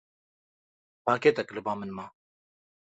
Pakêt li ba min ma.